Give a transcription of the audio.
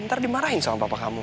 ntar dimarahin sama bapak kamu